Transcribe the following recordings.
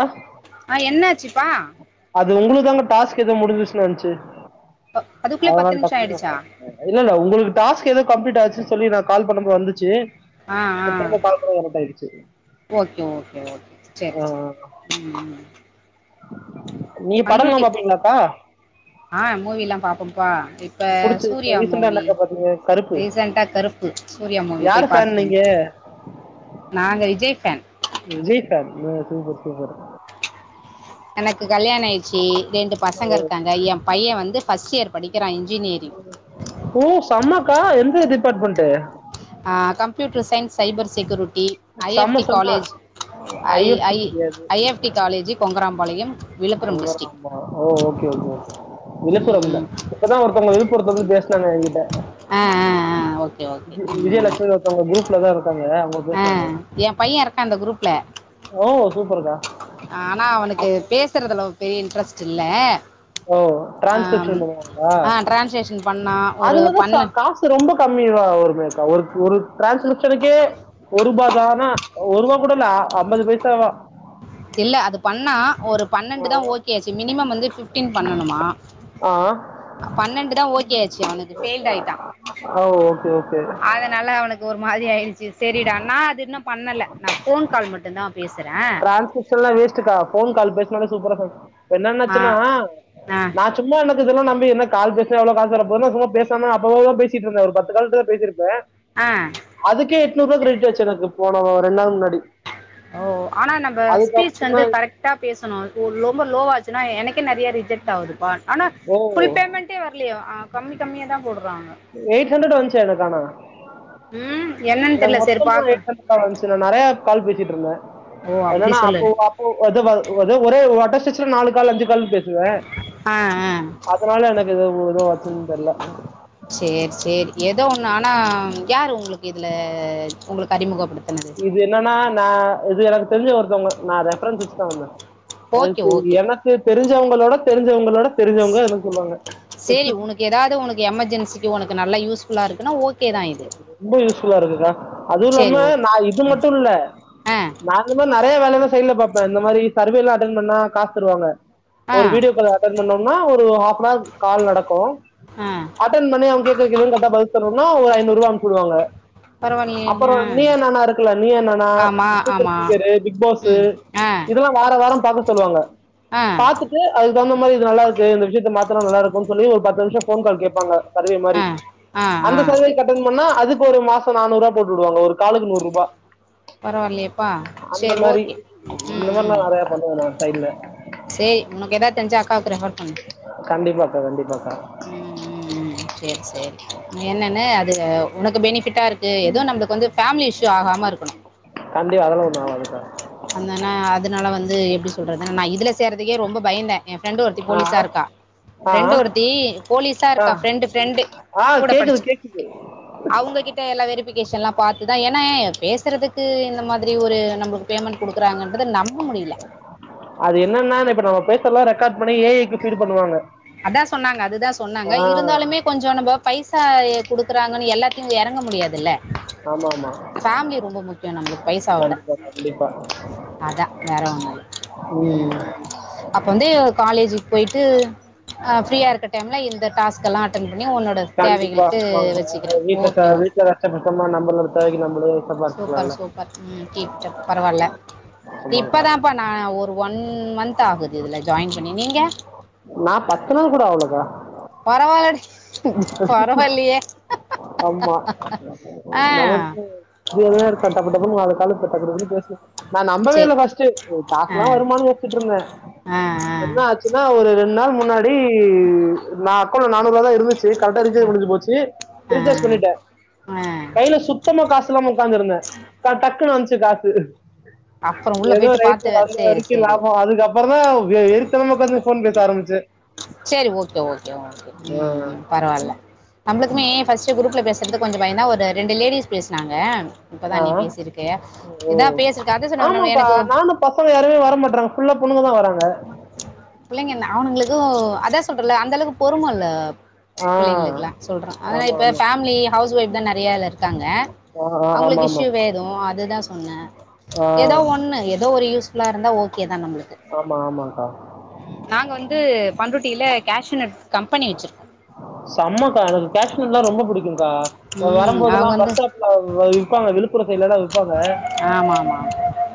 ஆ ஆ என்னாச்சிப்பா அது உங்களுக்கு தாங்க டாஸ்க் ஏதோ முடிஞ்ச்சுரிச்சுன்னு வந்துச்சு அ- அதுக்குள்ளே பத்து அவுங்கள்ட நிமிஷம் ஆயிடுச்சா சொல்லனுமா இல்ல இல்ல உங்களுக்கு டாஸ்க் எதோ கம்ப்லீட் ஆச்சு சொல்லி நான் கால் பண்ணும் போது வந்துச்சு ஆ ஆ திரும்பி பாக்குறேன் இருட்டாயிடுச்சு ஓகே ஓகே ஓகே செரி செரி ம் ம் ம் நீ படம்லாம் பண்ருட்டி பாப்பீங்களாப்பா ஆ மூவி எல்லாம் பாப்போம்ப்பா இப்போ புடிச்ச இப்ப சூர்யா ரீசெண்டா மூவி என்னக்கா பாத்தீங்க கருப்பு ரீசெண்டட்டா கருப்பு சூர்யா மூவி யாரு போய் ஃபேன் பார்த்துட்டு நீங்க வந்தேன் நான் விஜய் ஃபேன் ஓ சூப்பர் சூப்பர் எனக்கு கல்யாணம் ஆயிடுச்சி ரெண்டு பசங்க ஓ இருக்காங்க ஏன் பையன் வந்து பஸ்டியர் ஓ செம ஆ எந்த department computer science cyber security I F செம்ம டி செம்ம காலேஜ் ஐ ஐஎஃப்சி ஐ தெரியாது ஐ எஃப் டி காலேஜி கொங்கராம்பாளையம் விழுப்புரம் டிஸ்ட்ரிக் யங்கரமா ஓ ஓகே ஓகே ம் விழுப்புரம் ம் தான் இப்பதான் ஒருத்தவங்க விழுப்புரதுல இருந்து பேசினாங்க என்கிட்ட ஆ ஆ ஆ ஓ விஜயலட்சுமி னு ஒருத்தவங்க குரூப் ல தான் இரு ஆ என் பையன் இருக்கான் இந்த குரூப்ல ஓ சூப்பர்க்கா ஆனா அவனுக்கு பேசுறதுல பெரிய ஒரு இன்டரஸ்ட் இல்ல ஓ டிரான்ஸ்கிரிப்ஷன் பண்ணுவாங்களா ஆ டிரான்ஸ்கிரிப்ஷன் பண்ணான் ஒரு பண்ணு [unintelligible] டிரான்ஸ்லக்ஷனுக்கே ஒரு பா ஆனா ஒரு ரூபா கூட இல்ல ஐம்பது பைசா தான் இல்ல அது பண்னா ஒரு பன்னண்டு தான் ஓகே ஆச்சு மினிமம் வந்து பிப்டீன் பண்ணனுமா ஆ பண்ணண்டு தான் ஒகே ஆச்சு பெயில் ஆகிட்டான் ஓ ஓகே ஓகே அதனால அவனுக்கு ஒரு மாதிரி ஆயிடுச்சு சரிடா நான் அது இன்னும் பண்ணல நான் ஃபோன் கால் மட்டும் தான் பேசுறேன் ல்லாம் வேஸ்டக்கா ஃபோன் கால் பேசனாலே சூப்பரா பேசு என்ன ஆ நெனச்சன்னா ஆ நான் சும்மா என்ன இது எல்லாம் நம்பி என்ன கால் பேசல எவ்ளோ காசு வர போகுது சும்மா பேசாம அப்பப்ப பேசி த்திட்ருந்தே ஒரு பத்து கால்தா பேசிருப்பே ஆ அதுக்கே எட்நூறு ரூவா கிரெடிட் ஆச்சு எனக்கு போன ரெண்ட் நாள் முன்னாடி ஓ ஆனா நம்ப ஸ்பீச் அதுக்கப்புறம் வந்து தான் கரெக்டா பேசணு ஒ லொம்ப லோவாச்சுனா எனக் கு நெறைய ரிஜெக்ட் ஆகுதுப்பா ஆனா ஓ ஃபுல் பேமெண்ட்டே வரலயே ஆ கம்மி கம்மியாதா போடறாங்க வந்ச்சு எனக்கு ஆனா என்னன்னு எனக்கு தெர்ல சரி மொத்தமா பாக்குற எயிட் ஹண்ரட்தா வந்ச்சு நா நெறையா கால் பேசிட்டு இருந்தே ஓ அப்டி இல்லன்னா சொல்லு அப்போ அப்போ அது ஒரே ஒரு வாட்ட ஆக்சுலா நாலு காலு அஞ்சு கால் பேசுவே ஆ ஆ அதனால எனக்கு இது எதுல ஆச்சுன்னு தெர்ல சேரி சேரி ஏதோ ஒண்ணு ம் ஆனா யாரு உங்களுக்கு இதுல உங்களுக்கு அறிமுகப்படுத்துனது நா இது எனக்கு தெரிஞ்ச ஒருத்தவங்க நா ரெஃபரன்ஸ் வச்சுதா வந்தே ஓகே ஒருத்தர் ஓகே எனக்கு தெரிஞ்சவங்களோட தெரிஞ்சவங்களோட தெரிஞ்சவங்க எனக்கு சொல்லுவாங்க சேரி உனக்கு ந்தாவது உனக்கு எமர்ஜென்சிக்கு உனக்கு நல்லா யூஸ்ஃபுல்லா இருக்குன்னா ஓகேதா இது ரொம்ப யூஸ்ஃபுல்லா இருக்குக்கா அதுவு சேரி இல்லாம நா இது ஓகே மட்டு இல்ல ஆ நானுமே நெறைய வேலைலா சைடுல பாப்பே இந்த மாதிரி சர்வேல்லா அட்டன் பண்ணா காசு தருவாங்க ஆ ஒரு ஆ வீடியோ கால் அட்டன் பண்ணோ னா ஒரு ஹாஃபனவர் கால் நடக்கு ஆ அட்டன் பண்ணி அவங்க கேக்குற கேள்விகளுக்கு கரெக்டா பதில் சொன்னோ னா ஒரு ஐநூறுவா அனு ப்ச்சு உடுவாங்க பரவாயில்லையே அப்புறோ ஆ நீயா நானா இருக்குல நீயா நானா ஆமா சூப்பர் ஆமா சிங்கரு பிக்பாஸு ம் ஆ இதெல்லா வாரா வாரம் பாக்க சொல்லுவாங்க ஆ பாத்துட்டு அது க்கு தகுந்த மாரி இது நல்லா இருக்கு இந்த விஷயத்த மாத்துனா நல்லா இருக்கும்னு சொல்லி ஒரு பத்து நிமிஷோ ஃபோன் கால் கேப்பாங்க சர்வே மாரி ஆ ஆ ஆ அந்த சர்வேக்கு அட்டன் பண்ணா அதுக்கு ஒரு மாசோ நானூறு ரூவா போட்டு வுடுவாங்க ஒரு காலுக்கு நூறு ரூபா பரவாயில்லையேப்பா அந்த சேரி மாரி ஓகே இந்த ம் மாரில்லா ம் நெறைய பண்ணிருக்கிற நா சைடுல சேரி உனக்கு எதாவது தெரிஞ்சா அக்காவுக்கு ரெஃபர் பண்ணு கண்டிப்பா கா கண்டிப்பா ம் ம் ம் சேரி சேரி என்னன்னு அது உனக்கு பெனிஃபிட்டா இருக்கு து நம்ளுக்கு வந்து ஃபேமிலி இஷ்யூ ஆகாம இருக் [inaudible] கண்டிப்பா அதெல்லாம் ஒன்றும் ஆகாதுக்கா அந்தன அதனால வந் து எப்டி சொல்றதுனா நா இதுலஸ் செய்றதுக்கே ரொம்ப பயந்த எம் ஃப்ரெண்டு ஒருத்தி போலீசா இருக்கா ஆ ஆ ஃப்ரெண்டு ஒருத் ப்படி போலீஸா ஆ இருக்கா ஃப்ரெண்டு ஃப்ரெண்டு ஆ கூட கேக்குது படுச்ச கேக்குது அவங்ககிட்ட எல்லா வெரிபிகேஷன்லா பாத்துதா ஏன்னாய்வ் பேசுறதுக்கு இந்த மாதிரி ஒரு நம்மளுக்கு பேமெண்ட் குடுக்குறாங்கன்றத நம்ப முடில அது என்னன்னா அத இப்ப நம்ம பேசுறத எல்லா ரெக்கார்ட் பண்ணி ஏஐக்கு ஃபீடு பண்ணுவாங்க அதா சொன்னாங்க அதுதாஸ் ஆ சொன்னாங்க இருந்தாலுமே கொஞ்சோ நம்ப பைசா எ குடுக்குறாங்கன்னு எல்லாத்துலயு எறங்க முடியாதுல்ல ஆமாமா பே நம்ளுக் பைச விட அதா வேற ஒன்னு இல்ல ம் ம் அப்ப வந்து காலேஜு போயிட்டு அ ஃப்ரியா இருக்க டைம்ல இந்த டாஸ்க் எல்லா அட்டன் பண்ணி உன்னோட கண்டிப்பா தேவைகளுக்கு ஆமாங்க வச்சுக்கிறேன் வீட்லதா ஓகே ஓகே வீட்ல கஷ்டப்பட் சொன்னோ நம்முளுக்கு தேவைக்கு நம்மளே சூப்பர் சம்பாரிச்சுக்கலாம்ல சூப்பர் ம் கீப்பிட்டப் பரவால்ல ஆமாங்கா இப்பதாம்பா நா ஒரு ஒன் மந்த் ஆகுது இதுல ஜாயின் பண்ணி நீங்க பரவாயில்லடி பரவாயில்லையே ஆம்மா ஆ நமக்கு டெய்லி ஒரு கஷ்டப்பட்டாதான நாலு காலு பே அப்டி அப்டி பேசி நா நம்பவே சரி இலை ஃபஸ்ட்டு இதுல ஆ காஸ்ல்லா வருமான் யோசுட்ருந்த ஆ என்ன ஆச்சுன்னா ஒரு ரெண்டு நாள் முன்னாடி நா அக்கோண்ட்ல நானூறுவாதா இருந்துச்சு கரட்டா ஆ ரீச்சார்ஜ் ஆ முடுஞ்சு போச்சு ஆ ரீச்சார்ஜ் பண்ணிட்ட ஆ கைல சுத்தமா காஸ் இல்லமா உக்காந்துருந்த ட டக்குனு வஞ்சு காசு அப்புறம் உள்ள ஏதோ போயிட்டு பார்த்து ரேட்டு வந்த சரி வரைக்கு சரி லாபம் அதுக்கப்புறம் தான் எரித்தனமக்க்ச போன் பேச ஆரம்பிச்சு செரி ஓகே ஓகே ஓகே ம் பரவாயில்ல நம்ளுக்கு ஃபர்ஸ்ட்டூ குரூப்ல பேச இருந்து கொஞ்ச பயா தா ஒரு ரெண்டு லேடிஸ் பேசினாங்க இப்பதா ஆ. நீ பேசிருக்க ஓ இதா பேசிருக்க அத சொன்ன ஆமாக்கா எனக்கு நானும் பசங்க யாருமே வர மாட்டாங்க ஃபுல்லா பொண்ணுங்க தா பிள்ளைங்கன அவனுங்களுக்கு அதா சொல்றல்ல அந்த அளவுக்கு பொறுமல்ல ஆ பிள்ளைங்களுக்குல்ல சொல்றே அதன ஆமா இப்ப ஆமா ஃபேமிலி ஹவுஸ் ஒயப் நெறையா இல்ல ங்க ஆ ஆ, ஆமா அவங்களுக்கு ஆமா இஷயூ வேதும் அதுதா சொன்னே ஆ ஏதோ ஒண்ணு ஏதோ ஒரு யூஸ்ஃபுல்லா இருந்தா ஓகே தா நம்மளுக்கு ஆமா ஆமாக்கா நாங்க வந்து பண்ருட்டியில கேஷ்நட் செம்மக்கா அது கேஷ் எல்லா ரொம்ப புடிக்கு ம் வரும்போதெல்லா அவங்க வந்து பஸ்லே போவாங்க இப்பொ அவுங்க விழுப்புர வப்பாங்க ஆமா ஆமா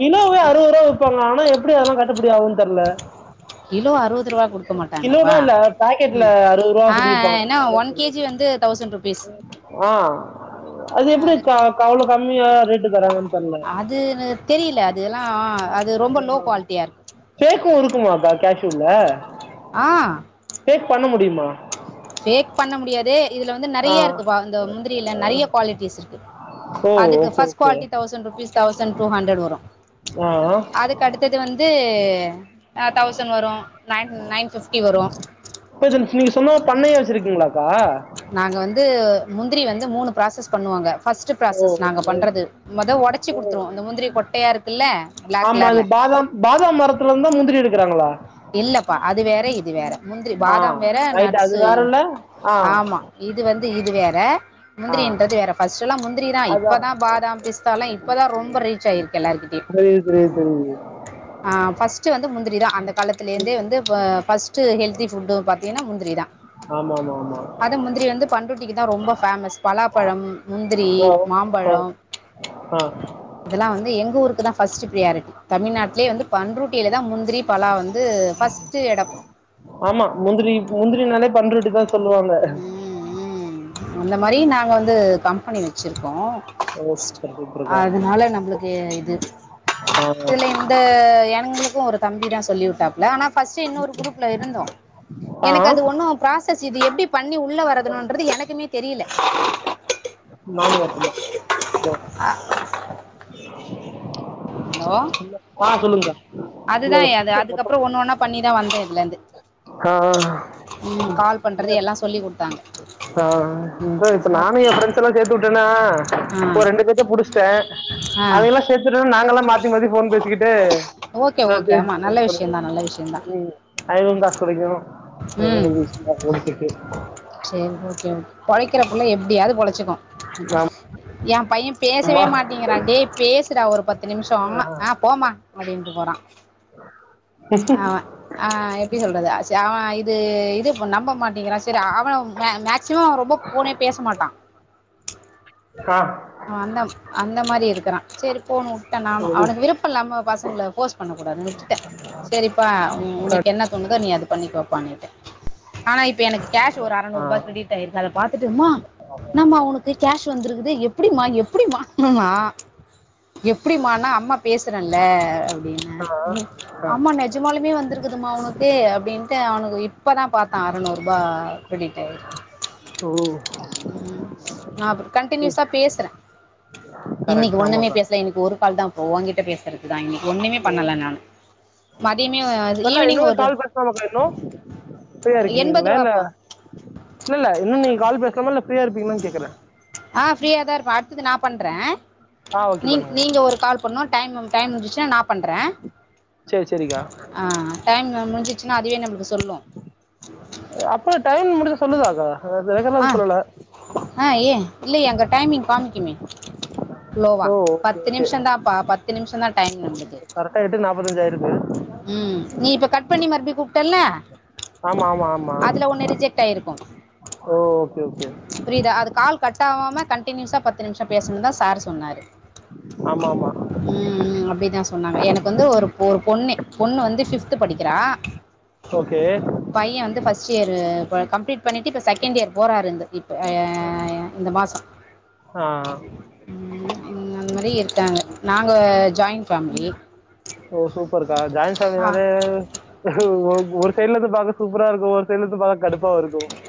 கிலோ அறுபது ரூப வப்பாங்க ஆனா எப்படி அதல்லா கட்ட அப்டி அம் தெர்ல கிலோ அறுவது ரூவா குடுக்க கிலோ வே மாட்டாங்கப்பா இல்ல பாய் ம் அறுவது ரூவா ஆ ஏன்னா ஒன் கேஜி வந்து தௌசண்ட் ருபீஸ் ஆ அதெப்படி அது இருக்கு. அவ்ளோ கம்மியா ரேட் தரங்கா தெர்ல அது தெரியல அதெல்லா அது ரொம்ப லோ குவாலிட்டியா இருக்கு எனக்கு இருக்குமாக்கா கேஷூர்ல ஆ ஷேக் பண்ண முடியுமா ஷேக் பண்ண முடியாது இது வந்து ஆ நிறைய இருக்கு இந்த முந்திரியில நிறைய குவாலிட்டிஸ் இருக்கு ஓ அதுக்கு okay first okay குவிட்டி thousand rupees thousand two hundred வரு ஆ அதுக்கடுத்தது வந்து தௌசண்ட் வரும் நையன் நையன் ஃபிஃப்டி வரும் இருக்கீங்களாக்கா முந்திரி வந்து மூணு ப்ராசஸ் பண்ணுவாங்க ஃப்பர்ஸ்ட் ஓ பிராசஸ் நாங்க ஓகே பண்றது முத உடைச்சி ஓ குடுத்துருவோ அந்த முந்திரி கொட்டையா இருக்குல்ல ப்ளாக் ஆமா அது கலர்ல பாதாம் பாதாம் மரத்துல இருந்தா முந்திரி எடுக்குறாங்களா இல்லப்பா அது வேற இது வேற முந்திரி ஆ பாதாம் வேற ரைட்டு அது நட்ஸு வேறல்ல ஆ ஆமா இது வந்து இது வேற ஆ முந்திரன்றது வேற [unintelligible] முந்திரி தா அதா இப்பதா பாதாம் பிஸ்தா எல்லா இப்பதா ரொம்ப ரீச் ஆயிருக்கு எல்லாருகிட்டயு புரியுது புரியுது புரியுது ஆ பஸ்டு வந்து முந்திரி தா அந்த காலத்லே இருந்தே வந்து ஃபஸ்டு ஹெல்தி ஃபுட் பாத்தீங்கனா முந்திரி தா ஆமா ஆமா ஆமா வந்து பன் ரொட்டிக்கு தா ரொம்ப பேமஸ் பலாப்பழம், முந்திரி, ஓ ஆ மாம்பழோ ஆ இதெல்லா வந்து எங்க ஊருக்கு தா பஸ்டு பிரியாரிட்டி தமிழ்நாட்டிலே வந்து பண்ருட்டில தா மு ஆமா முந்திரி முந்திரி நாலே பண்ருட்டி தா சொல்லுவாங்க ம் அந்த மாரி மாரி நாங்க வந்து கம்பெனி வ வெச்சிருக்கோ ஓ சூப்பர் சூப்பர்க்கா அதனால நம்மளுக்கு இது ஆ இதுல எந்த எங்களுக்கு ஒரு தம்பி தா சொல்லி விட்டாப்ல ஆனா ஃபஸ்டு இன்னொரு குரூப்ல இருந்தோ ஆ எனக்கு அது ஒன்னு பிராச இது எப்டி பண்ணி உள்ள வரனும்ன்றது எனக்குமே தெரியல நானு வரட்டுமா [inaudible] ஹலோ சொல்ல- ஆ சொல்லுங்கக்கா இல்ல, அதுதா இல்ல, அது அ அதுக்கப்றோ மொத்தமா- ஒன்னு ஒன்னா பண்ணிதா வந்தே இதுல இருந்து ஆ உம் கால் பண்றது எல்லா சொல்லி குடுத்தாங்க ஆ இப்ப நானு என் பிரெண்ட்ஸல்லா சேத்து வுட்டனா ஆ ஒரு ரெண்டு பேத்த புடிச்சிட்டே ஆ அத எல்லா சேர்த்துட்டனு நாங்கெல்லா மாத்தி மாத்தி போன் பேசிக்கிட்டு ஓகே ஓகே ஆமா நல்ல விஷயந்தா நல்ல உ அதுந்தா துடிக்கணு உ செரி ஓகே ஓகே பொழைக்கிற புள்ள எப்டியாவது பொழை ச்சுகு ந்நா யாம் பையே பேசவே மாட்டேங்கிறா டே பேசுறா ஒ ஒரு பத்து நிமிஷோ ஆ போமா அப்டின்ட்டு போறா அவ ஆ எப்டி சொல்றது சரி அவ இப் இது இது இப்ப நம்ப மாட்டேங்கிறா சொ செரி அவ மே மேக்சிமம் அவ ரொம்ப ஃபோனே பேச மாட்டா ஆ அவ அந்த அந்த மாரி இருக்குறா செரி போணு வுட்டே நானு ஓ அவனுக்கு விருப்ப இல்லாம பசங்கள ஃபோர்ஸ் பண்ணக் கூடாதுனு விட்டே சேரிப்பா உ கா- உனக்கு என்ன தோணுதோ நீ அத பண்ணிக்கோப்பானிட்டே ஆனா இப்ப எனக்கு கேஷ் ஒரு அறநூறுபா கிரடிட் ஆயிருக்கு அத பாத்துட்டு மா இன்னாமா உனக்கு கேஷ் வந்திருக்குது இது எப்டிமா எப்டிமா ஹு ன்னா எப்டிமானா அம்மா பேசுறேன்ல அப்டின்னே ஆ ஆ அம்மா நெஜமாலுமே வந்திருக்குதுமா உனக்கு அப்படின்ட்டு அவனுக்கு இப் இப்பதா பாத்தா அறநூறுபா கிரிடிட் ஆயிருக்கு ஓ நா கண்ட்டினுசா பேசுறே இன்னைக்கு கரெக்ட் ஒண்ணுமே ஆமாக்கா பேசல இன்னைக்கு ஒரு கால் தா வ ஓங்கிட்ட பேசு இர்க்குதா இன்னக்கி ஒன்னுமே பண்ணல நானு கண்ணா இன்னுமே கால் பேசல மாப்பா இன்னு ஃப்ரியா எண்பது இருக்கீங்களா இல்ல ரூபாப்பா இல்ல இல்ல இன்னு நீ கால் பேசலாம ஃபிரியா இருப்பீங்களானு கேக்கறே ஆ ஃப்ரீயா தா இருப்பே அடுத்தது நா பண்றே ஆ நீ ஓகே பண்ணுங்க நீங்க ஒரு கால் பண்ணோ டைம் மேம் டைம் முடிஞ்சுச்சு சு நா பண்றே சரி சரிக்கா ஆ டைம்ல்லா முடிஞ்சு ஏன்னா அதுவே நம்புளுக்கு அப்ப டைம் முடிஞ்சா சொல்லுதாக்கா ஆ ரெகுலராக சொல்லல ஆ ஏ இல்லயே அங்க டைமிங் காமிக்குமே லோவா ஓ ஓகே பத்து ஓகே நிம்ஷதாபா பத்து நிம்ஷதா டைம் நம்பளுக்கு கரெக்டாக எட்டு நாற்பத்தஞ்சு ஆயிருக்கு உம் நீ இப்ப கட் பண்ணி மறுபுடி கூப்டல்ல ஆமாம் ஆமாம் ஆமாம் அதுல ஒன்னு ரிஜெக்ட் ஆயிருக்கு ஓ ஓகே ஓகே புரியுதா அது கால் கட்டாவாம கண்டினியூஸா பத்து நிமிஷொ பேசணுதா சார் சொன்னாரு ஆமாமா அப்படி தான் சொன்னாங்க எனக்கு வந்து ஒரு ஒரு பொண்ணு பொண்ணு வந்து ஃப்பிப்து படிக்குறா ஓகே பைய வந்து ஃபஸ்டு இயரு கம்ப்ளீட் பண்ணிட்டு இப்ப செகண்ட் இயர் போராறிந்து ஏ இந்த மாசோ ஆ அந்த மாதிரி இருக்காங்க நாங்கள் ஜாயின்ட் ஃபேமிலி ஓ சூப்பர்க்கா ஜாயின் ஆ ஃபேமிலினாலே ஒரு சைலருந்து பா சூப்ரா இருக்கு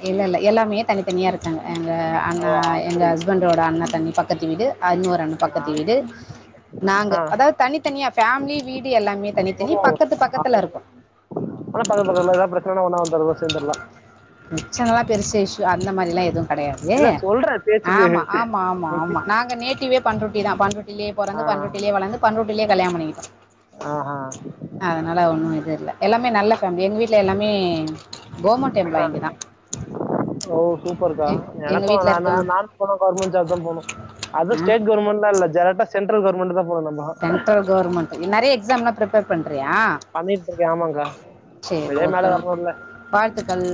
இல்ல இல்ல எல்லாமே தனித்தனியா இருக்காங்க எங்க அண்ணா ஓ எங்க அப்படி ஹஸ்பண்டோட அண்ண தண்ணி ப பக்கத்து வீடு அருணு ஒரு அண்ண ஆ பக்கத்து வீடு நாங்க ஆ. அதாவ் தனித்தனியா ஃபேமிலி வீடு எல்லாமே தனி ஓ தனி பக்கத்து அது பக்கத்துல இருக்கோ சேந்தர்லா பிரச்சனல்லா பெருசா இஷு அந்த மாரிலா எது கெடயாது இல்ல சொல்றேன் பேச்சுக்கு ஆமா ஆமா ஆமா ஆமா நாங்க நேட்டிவே பன்ரூட்டி தா பன்ரூட்டிலே ஆ பொறந்து பண்ரூட்டிலே வளந்து பன்ரூட் யில்லேயே கல்யாணம் பண்ணிக்கிட்டோ ஆஹா அதனால ஒன்னு இது இல்ல எல்லாமே நல்ல ஃபேமிலி எங்க வீட் வீட்ல எல்லாமே கோமா ல்லா இங்கதா ஓ சூப்பர்க்கா எனக்கு ந ந ந நானு போனா கவர்மெண்ட் ஜாப் தா போனு அது ஆ ஸ்டேட் கவர்மெண்ட்லா இல்ல ஜெர கா சென்ட்ரல் கவர்மென்ட்தா சென்டர் கவர்மெண்ட் நெறைய எக்ஸாம்லா ப்ரீப் எ பண் டியா பண்ணிட்டு இருக்கேன் ஆமாங்க்கா சேரி வெளியே ஓகே மேலே ஓகே வரணும்ல வாழ்த்துக்கள்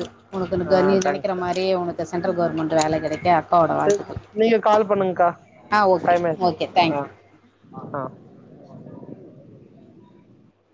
ஆ உனக்குனுக்கு நீ நெனைக்கற தேங்க்ஸ்க்கா மாரி உனக்கு சென்ட்ரல் கவர்மெண்ட் வேல கெடைக்க அக்காவோட சரி வாழ்த்துக்கள் நீங்க கால் பண்ணுங்கக்கா ஆ டைம் ஆயிடுச்சு ஓகே-ஓகே ஆ தேங்க்யூ ஆ